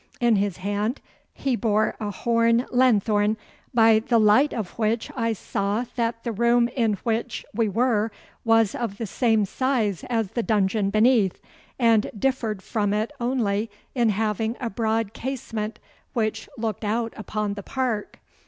In his hand he bore a horn lanthorn, by the light of which I saw that the room in which we were was of the same size as the dungeon beneath, and differed from it only in having a broad casement which looked out upon the park.